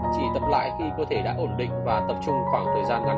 chỉ tập lại khi cơ thể đã ổn định và tập trung khoảng thời gian ngăn hơn